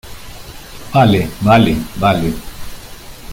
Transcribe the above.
vale, vale , vale.